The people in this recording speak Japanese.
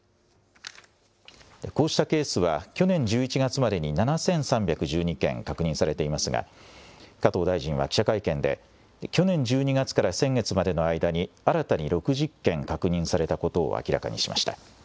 こうしたケースは、去年１１月までに７３１２件、確認されていますが、加藤大臣は記者会見で、去年１２月から先月までの間に、新たに６０件確認されたことを明らかにしました。